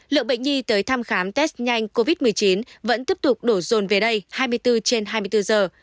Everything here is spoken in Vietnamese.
lượng bệnh nhi tới thăm khám test nhanh covid một mươi chín vẫn tiếp tục đổ rồn về đây hai mươi bốn trên hai mươi bốn giờ